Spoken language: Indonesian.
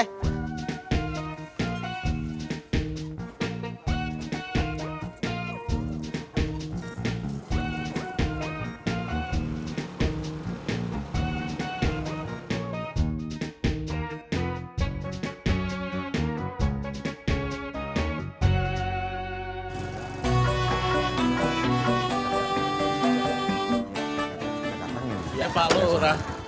iya pak lora